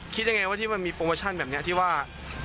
คิดยังไงว่าที่มันมีโปรโมชั่นแบบนี้ที่ว่า